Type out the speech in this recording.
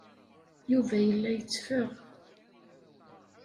Yuba yella yetteffeɣ.